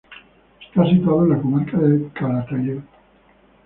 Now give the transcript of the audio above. Está situado en la Comarca de Calatayud.